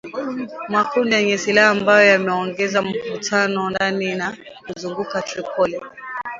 makundi yenye silaha ambayo yameongeza mvutano ndani na kuzunguka Tripoli